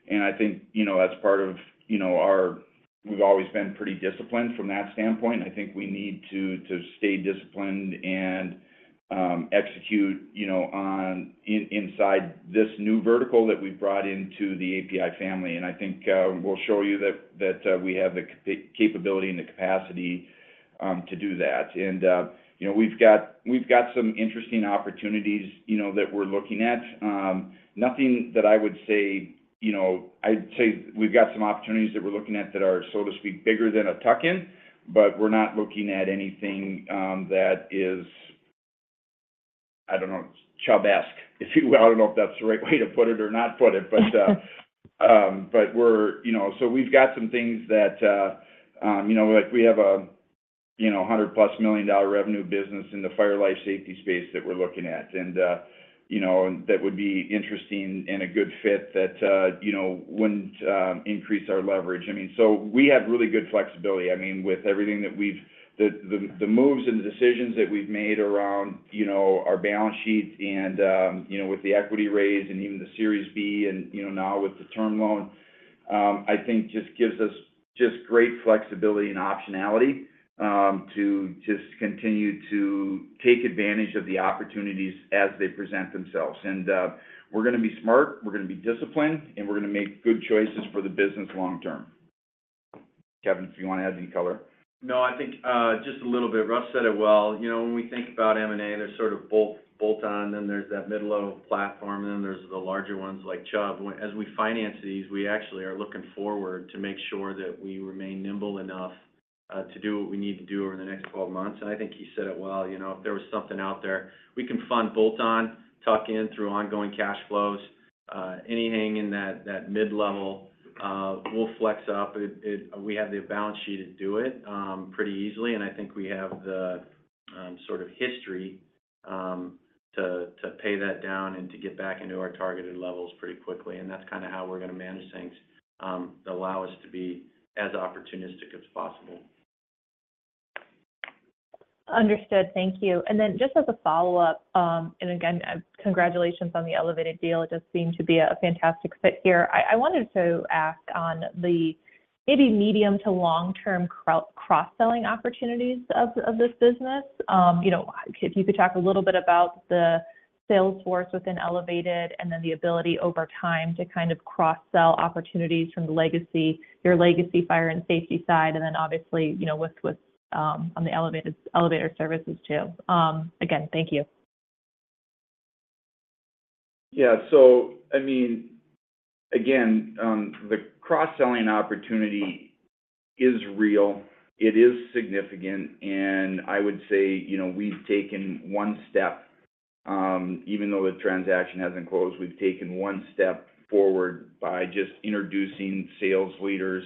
And I think, you know, that's part of, you know, we've always been pretty disciplined from that standpoint. I think we need to stay disciplined and execute, you know, on inside this new vertical that we've brought into the APi family. And I think we'll show you that we have the capability and the capacity to do that. And you know, we've got some interesting opportunities, you know, that we're looking at. Nothing that I would say, you know, I'd say we've got some opportunities that we're looking at that are, so to speak, bigger than a tuck-in, but we're not looking at anything that is, I don't know, Chubb-esque. I don't know if that's the right way to put it or not put it, but we're you know, so we've got some things that, you know, like we have a, you know, a $100+ million revenue business in the fire and life safety space that we're looking at. And, you know, and that would be interesting and a good fit that, you know, wouldn't increase our leverage. I mean, so we have really good flexibility. I mean, with everything that we've, the moves and the decisions that we've made around, you know, our balance sheet and, you know, with the equity raise and even the Series B and, you know, now with the term loan, I think just gives us just great flexibility and optionality to just continue to take advantage of the opportunities as they present themselves. And, we're gonna be smart, we're gonna be disciplined, and we're gonna make good choices for the business long term. Kevin, do you wanna add any color? No, I think, just a little bit. Russ said it well. You know, when we think about M&A, there's sort of bolt, bolt-on, then there's that mid-low platform, and then there's the larger ones like Chubb. As we finance these, we actually are looking forward to make sure that we remain nimble enough, to do what we need to do over the next 12 months. And I think he said it well, you know, if there was something out there, we can fund bolt-on, tuck-in through ongoing cash flows. Anything in that, that mid-level, we'll flex up. We have the balance sheet to do it pretty easily, and I think we have the sort of history to pay that down and to get back into our targeted levels pretty quickly, and that's kinda how we're gonna manage things that allow us to be as opportunistic as possible. Understood. Thank you. And then just as a follow-up, and again, congratulations on the Elevated deal. It just seemed to be a fantastic fit here. I wanted to ask on the maybe medium to long-term cross-selling opportunities of this business. You know, if you could talk a little bit about the sales force within Elevated, and then the ability over time to kind of cross-sell opportunities from the legacy, your legacy fire and safety side, and then obviously, you know, with on the Elevated elevator services, too. Again, thank you. Yeah. So I mean, again, the cross-selling opportunity is real, it is significant, and I would say, you know, we've taken one step. Even though the transaction hasn't closed, we've taken one step forward by just introducing sales leaders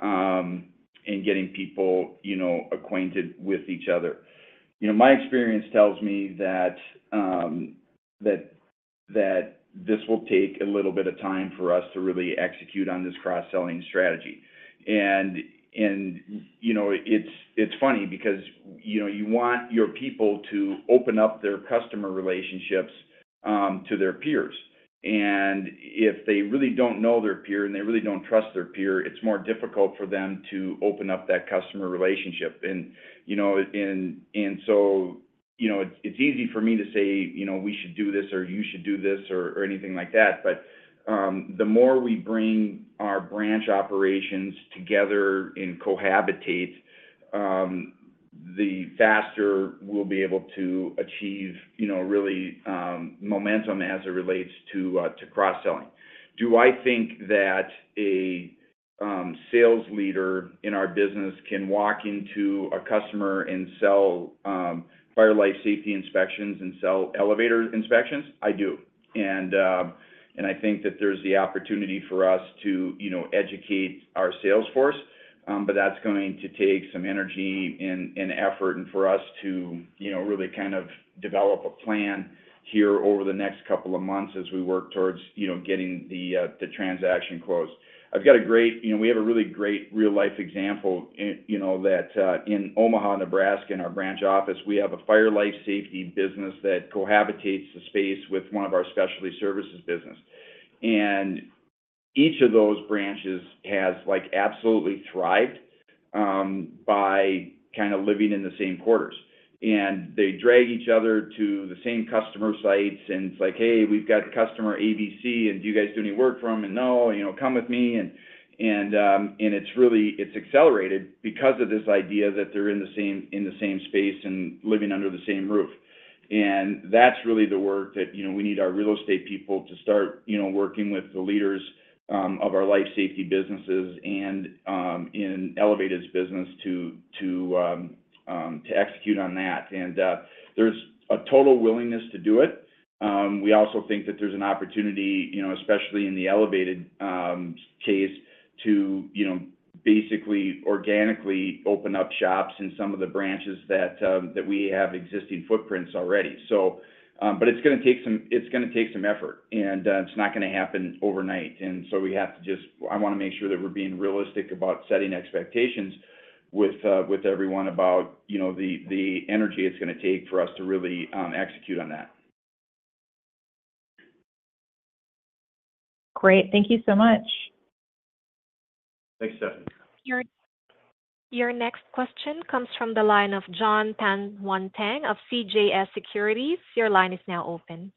and getting people, you know, acquainted with each other. You know, my experience tells me that that this will take a little bit of time for us to really execute on this cross-selling strategy. And, you know, it's funny because, you know, you want your people to open up their customer relationships to their peers. And if they really don't know their peer and they really don't trust their peer, it's more difficult for them to open up that customer relationship. You know, it's easy for me to say, "You know, we should do this," or "You should do this," or anything like that, but the more we bring our branch operations together and co-locate, the faster we'll be able to achieve, you know, really, momentum as it relates to cross-selling. Do I think that a sales leader in our business can walk into a customer and sell fire and life safety inspections and sell elevator inspections? I do. And I think that there's the opportunity for us to, you know, educate our sales force, but that's going to take some energy and effort, and for us to, you know, really kind of develop a plan here over the next couple of months as we work towards, you know, getting the transaction closed. I've got a great example. You know, we have a really great real-life example, in Omaha, Nebraska, in our branch office, we have a fire life safety business that cohabitates the space with one of our specialty services business. And each of those branches has, like, absolutely thrived, by kind of living in the same quarters. They drag each other to the same customer sites, and it's like: "Hey, we've got customer ABC, and do you guys do any work for them?" "No," you know, "Come with me." It's really accelerated because of this idea that they're in the same space and living under the same roof. That's really the work that, you know, we need our real estate people to start, you know, working with the leaders of our life safety businesses and in Elevated's business to execute on that. There's a total willingness to do it. We also think that there's an opportunity, you know, especially in the Elevated case, to, you know, basically organically open up shops in some of the branches that we have existing footprints already. But it's gonna take some, it's gonna take some effort, and it's not gonna happen overnight. So we have to just. I wanna make sure that we're being realistic about setting expectations with everyone about, you know, the energy it's gonna take for us to really execute on that.... Great. Thank you so much. Thanks, Stephanie. Your next question comes from the line of Jon Tanwanteng of CJS Securities. Your line is now open.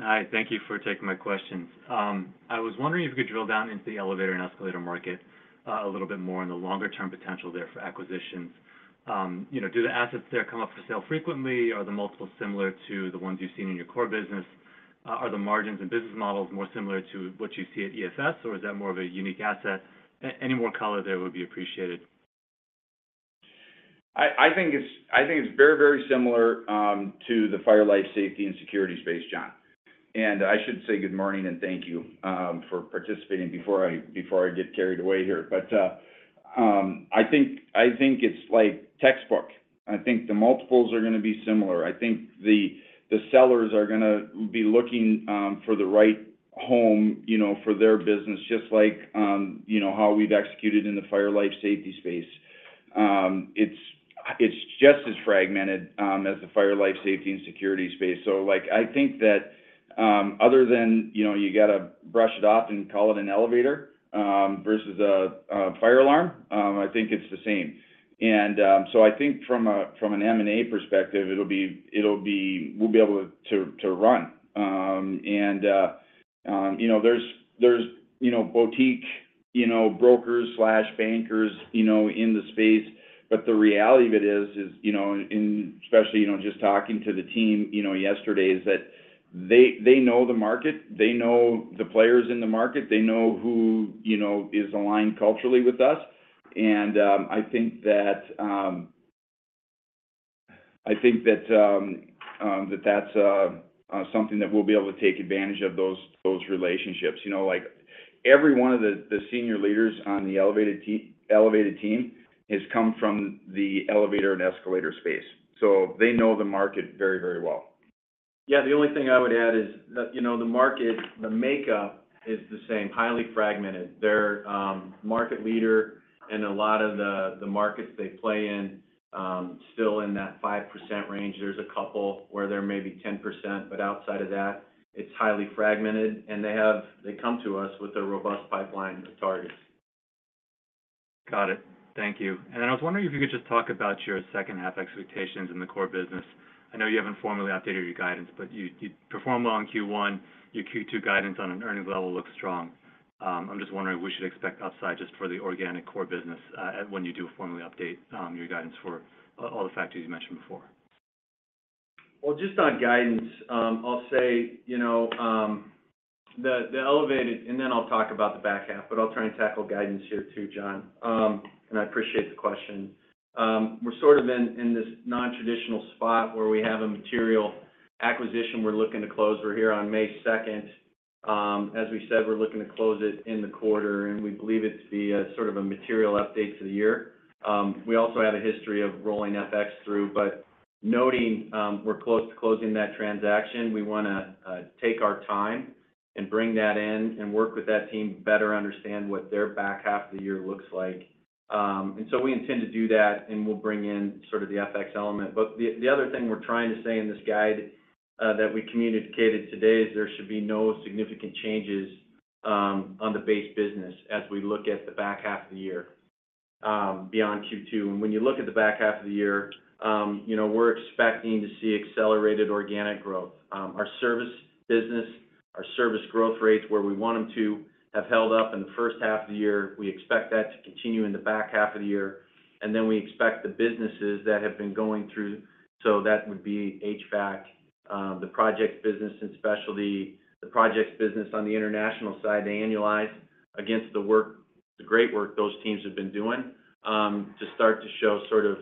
Hi, thank you for taking my questions. I was wondering if you could drill down into the elevator and escalator market, a little bit more on the longer term potential there for acquisitions. You know, do the assets there come up for sale frequently? Are the multiples similar to the ones you've seen in your core business? Are the margins and business models more similar to what you see at ESS, or is that more of a unique asset? Any more color there would be appreciated. I think it's very, very similar to the fire, life safety, and security space, John. And I should say good morning and thank you for participating before I get carried away here. But I think it's like textbook. I think the multiples are gonna be similar. I think the sellers are gonna be looking for the right home, you know, for their business, just like you know how we've executed in the fire-life safety space. It's just as fragmented as the fire, life safety, and security space. So, like, I think that other than, you know, you got to brush it off and call it an elevator versus a fire alarm, I think it's the same. So I think from an M&A perspective, it'll be—we'll be able to run. And you know, there's boutique brokers/bankers, you know, in the space. But the reality of it is, you know, especially just talking to the team yesterday, that they know the market, they know the players in the market, they know who, you know, is aligned culturally with us. And I think that that's something that we'll be able to take advantage of those relationships. You know, like, every one of the senior leaders on the Elevated team has come from the elevator and escalator space, so they know the market very, very well. Yeah. The only thing I would add is that, you know, the market, the makeup is the same, highly fragmented. Their market leader and a lot of the markets they play in still in that 5% range. There's a couple where there may be 10%, but outside of that, it's highly fragmented, and they have—they come to us with a robust pipeline of targets. Got it. Thank you. And then I was wondering if you could just talk about your second half expectations in the core business. I know you haven't formally updated your guidance, but you performed well in Q1. Your Q2 guidance on an earnings level looks strong. I'm just wondering we should expect outside just for the organic core business when you do formally update your guidance for all the factors you mentioned before? Well, just on guidance, I'll say, you know, the Elevated, and then I'll talk about the back half, but I'll try and tackle guidance here, too, John. And I appreciate the question. We're sort of in this nontraditional spot where we have a material acquisition we're looking to close. We're here on May second. As we said, we're looking to close it in the quarter, and we believe it to be a sort of a material update to the year. We also have a history of rolling FX through, but noting we're close to closing that transaction, we wanna take our time and bring that in and work with that team to better understand what their back half of the year looks like. And so we intend to do that, and we'll bring in sort of the FX element. But the other thing we're trying to say in this guide that we communicated today is there should be no significant changes on the base business as we look at the back half of the year beyond Q2. When you look at the back half of the year, you know, we're expecting to see accelerated organic growth. Our service business, our service growth rates, where we want them to, have held up in the first half of the year. We expect that to continue in the back half of the year, and then we expect the businesses that have been going through. So that would be HVAC, the project business and specialty, the projects business on the international side, they annualize against the work, the great work those teams have been doing, to start to show sort of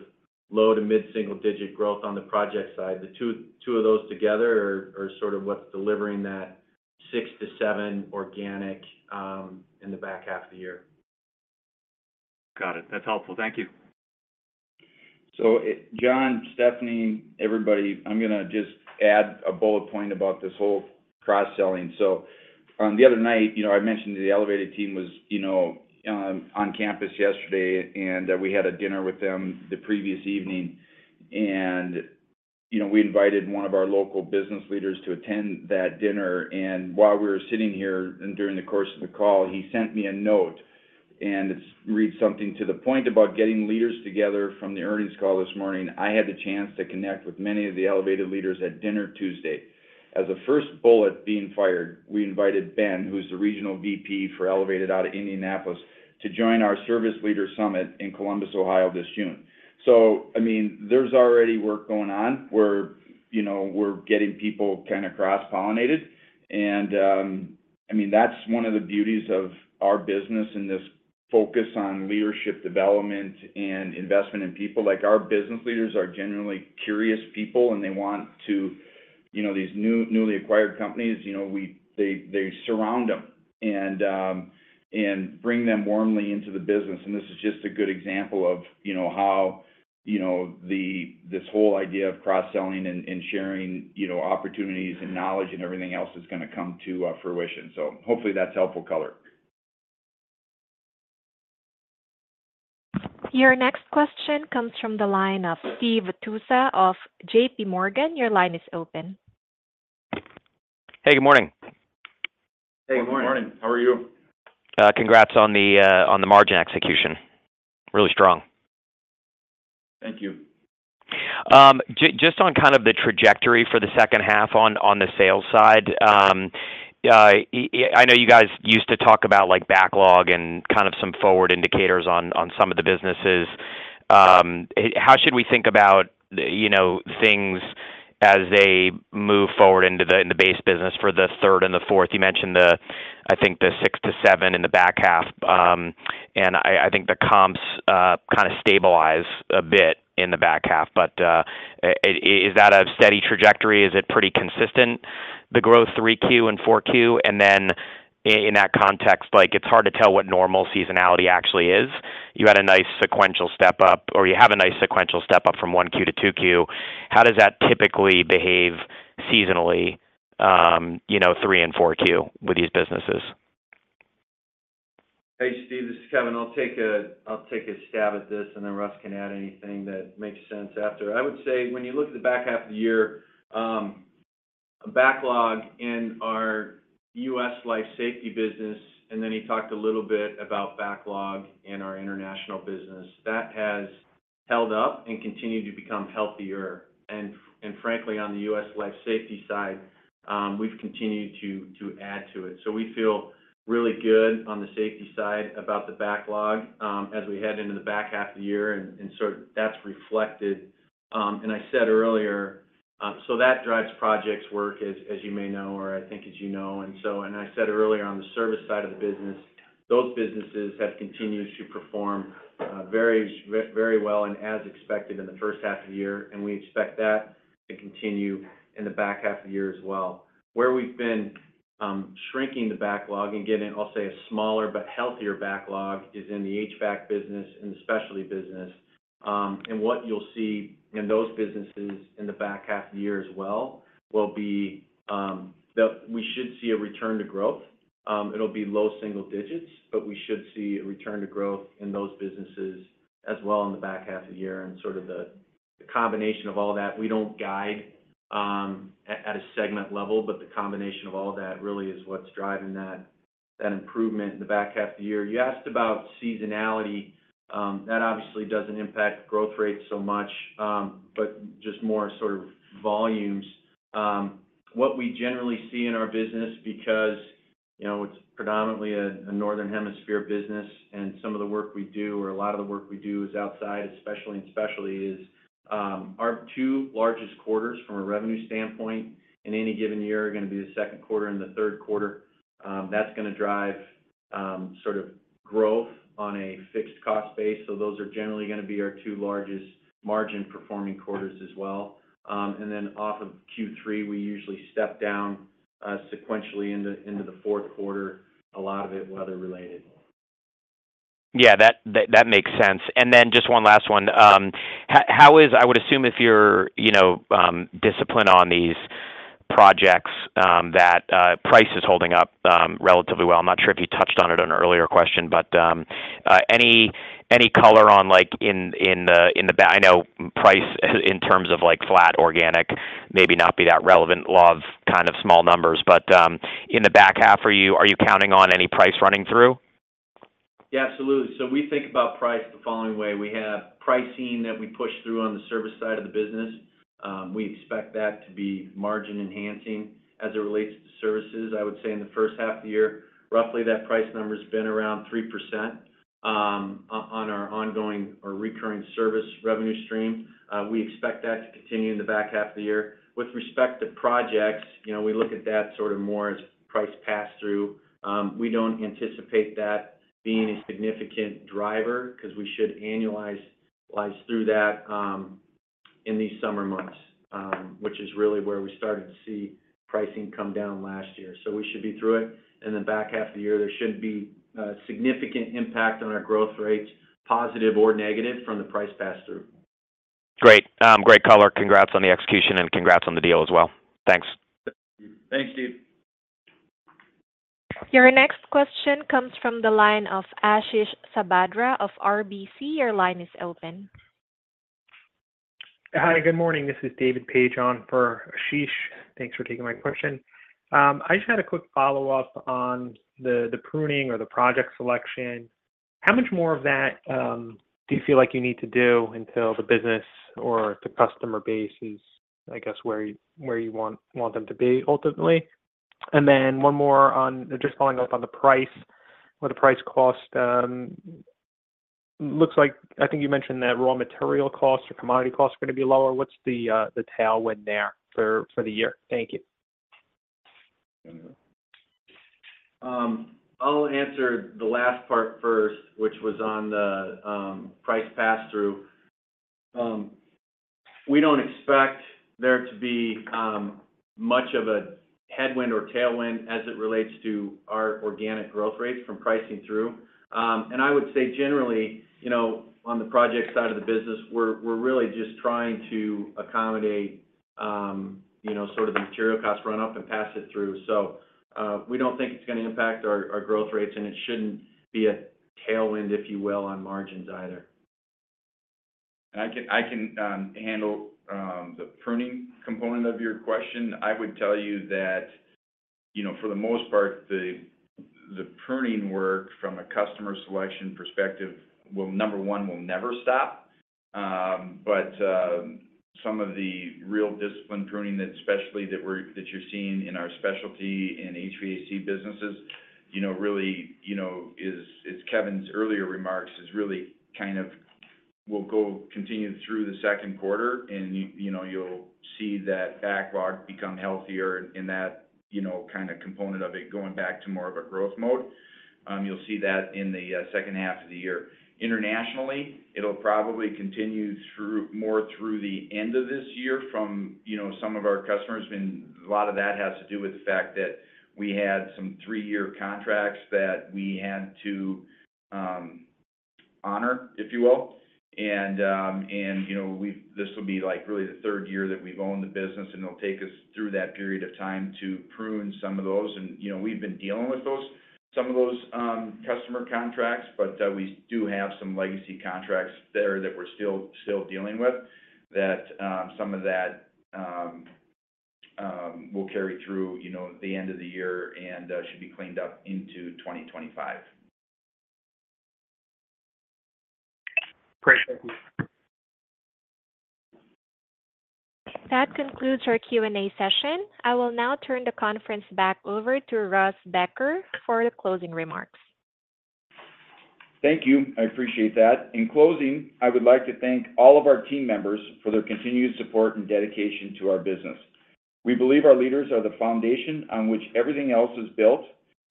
low to mid single digit growth on the project side. The two, two of those together are, are sort of what's delivering that 6-7 organic, in the back half of the year. Got it. That's helpful. Thank you. So John, Stephanie, everybody, I'm gonna just add a bullet point about this whole cross-selling. So, the other night, you know, I mentioned the Elevated team was, you know, on campus yesterday, and we had a dinner with them the previous evening, and, you know, we invited one of our local business leaders to attend that dinner, and while we were sitting here and during the course of the call, he sent me a note, and it reads something, "To the point about getting leaders together from the earnings call this morning, I had the chance to connect with many of the Elevated leaders at dinner Tuesday. As a first bullet being fired, we invited Ben, who's the Regional VP for Elevated out of Indianapolis, to join our service leader summit in Columbus, Ohio, this June." So, I mean, there's already work going on, where, you know, we're getting people kind of cross-pollinated. And, I mean, that's one of the beauties of our business and this focus on leadership development and investment in people. Like, our business leaders are genuinely curious people, and they want to... You know, these newly acquired companies, you know, they, they surround them and, and bring them warmly into the business. And this is just a good example of, you know, how, you know, this whole idea of cross-selling and, and sharing, you know, opportunities and knowledge and everything else is gonna come to fruition. So hopefully, that's helpful color. Your next question comes from the line of Steve Tusa of J.P. Morgan. Your line is open. Hey, good morning. Hey, good morning. Good morning. How are you? Congrats on the margin execution. Really strong. Thank you. Just on kind of the trajectory for the second half on the sales side, I know you guys used to talk about, like, backlog and kind of some forward indicators on some of the businesses. How should we think about, you know, things as they move forward into the base business for the third and the fourth? You mentioned the, I think, the 6-7 in the back half. And I think the comps kind of stabilize a bit in the back half, but is that a steady trajectory? Is it pretty consistent, the growth 3Q and 4Q? And then in that context, like, it's hard to tell what normal seasonality actually is. You had a nice sequential step up, or you have a nice sequential step up from Q1 to Q2. How does that typically behave seasonally, you know, Q3 and Q4 with these businesses? Hey, Steve, this is Kevin. I'll take a stab at this, and then Russ can add anything that makes sense after. I would say, when you look at the back half of the year, backlog in our US Life Safety business, and then he talked a little bit about backlog in our international business. That has held up and continued to become healthier. And frankly, on the US Life Safety side, we've continued to add to it. So we feel really good on the safety side about the backlog, as we head into the back half of the year, and so that's reflected. And I said earlier... So that drives projects work, as you may know, or I think as you know. And so I said earlier, on the service side of the business, those businesses have continued to perform very well and as expected in the first half of the year, and we expect that to continue in the back half of the year as well. Where we've been shrinking the backlog and getting, I'll say, a smaller but healthier backlog, is in the HVAC business and the specialty business. And what you'll see in those businesses in the back half of the year as well will be that we should see a return to growth. It'll be low single digits, but we should see a return to growth in those businesses as well in the back half of the year. Sort of the combination of all that, we don't guide at a segment level, but the combination of all that really is what's driving that improvement in the back half of the year. You asked about seasonality. That obviously doesn't impact growth rates so much, but just more sort of volumes. What we generally see in our business, because you know it's predominantly a Northern Hemisphere business, and some of the work we do, or a lot of the work we do, is outside, especially in specialty is our two largest quarters from a revenue standpoint in any given year are going to be the second quarter and the third quarter. That's gonna drive sort of growth on a fixed cost base. So those are generally gonna be our two largest margin-performing quarters as well. And then off of Q3, we usually step down sequentially into the fourth quarter, a lot of it weather related. Yeah, that makes sense. And then just one last one. How is... I would assume if you're, you know, disciplined on these projects, that price is holding up relatively well. I'm not sure if you touched on it on an earlier question, but any color on, like, in the back half? I know price in terms of, like, flat organic, maybe not be that relevant. Law of kind of small numbers, but in the back half, are you counting on any price running through? Yeah, absolutely. So we think about price the following way: We have pricing that we push through on the service side of the business. We expect that to be margin-enhancing as it relates to services. I would say in the first half of the year, roughly, that price number has been around 3%, on our ongoing or recurring service revenue stream. We expect that to continue in the back half of the year. With respect to projects, you know, we look at that sort of more as price pass-through. We don't anticipate that being a significant driver because we should annualize through that, in these summer months, which is really where we started to see pricing come down last year. So we should be through it. In the back half of the year, there shouldn't be a significant impact on our growth rates, positive or negative, from the price pass-through. Great. Great color. Congrats on the execution, and congrats on the deal as well. Thanks. Thanks, Steve. Your next question comes from the line of Ashish Sabadra of RBC. Your line is open. Hi, good morning. This is David Paige on for Ashish. Thanks for taking my question. I just had a quick follow-up on the pruning or the project selection. How much more of that do you feel like you need to do until the business or the customer base is, I guess, where you want them to be ultimately? And then one more on... Just following up on the price, or the price cost. Looks like I think you mentioned that raw material costs or commodity costs are going to be lower. What's the tailwind there for the year? Thank you. I'll answer the last part first, which was on the price pass-through. We don't expect there to be much of a headwind or tailwind as it relates to our organic growth rates from pricing through. And I would say generally, you know, on the project side of the business, we're really just trying to accommodate.... you know, sort of the material cost run up and pass it through. So, we don't think it's gonna impact our, our growth rates, and it shouldn't be a tailwind, if you will, on margins either. And I can, I can, handle, the pruning component of your question. I would tell you that, you know, for the most part, the, the pruning work from a customer selection perspective will, number one, will never stop. But, some of the real disciplined pruning that, especially that we're that you're seeing in our specialty in HVAC businesses, you know, really, you know, is, as Kevin's earlier remarks, is really kind of will go continue through the second quarter, and you know, you'll see that backlog become healthier in that, you know, kind of component of it, going back to more of a growth mode. You'll see that in the second half of the year. Internationally, it'll probably continue through more through the end of this year from, you know, some of our customers, and a lot of that has to do with the fact that we had some three-year contracts that we had to honor, if you will. And, and, you know, we've this will be, like, really the third year that we've owned the business, and it'll take us through that period of time to prune some of those. And, you know, we've been dealing with those, some of those customer contracts, but we do have some legacy contracts there that we're still, still dealing with, that some of that will carry through, you know, the end of the year and should be cleaned up into 2025. Great. Thank you. That concludes our Q&A session. I will now turn the conference back over to Russ Becker for the closing remarks. Thank you. I appreciate that. In closing, I would like to thank all of our team members for their continued support and dedication to our business. We believe our leaders are the foundation on which everything else is built,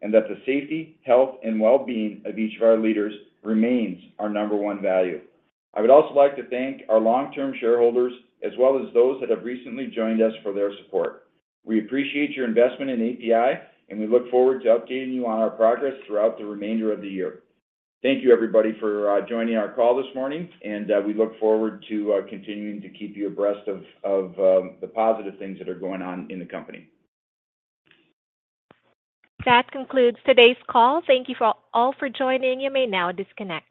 and that the safety, health, and well-being of each of our leaders remains our number one value. I would also like to thank our long-term shareholders, as well as those that have recently joined us, for their support. We appreciate your investment in APi, and we look forward to updating you on our progress throughout the remainder of the year. Thank you, everybody, for joining our call this morning, and we look forward to continuing to keep you abreast of the positive things that are going on in the company. That concludes today's call. Thank you all for joining. You may now disconnect.